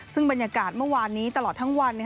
ซึ่งบรรยากาศเมื่อวานนี้ตลอดทั้งวัน